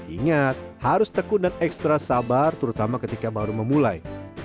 ingat harus tekun dan ekstra sabar terutama ketika baru memulai